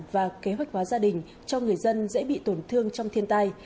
và kế hoạch hóa gia đình cho người dân dễ bị tổn thương trong thiên tai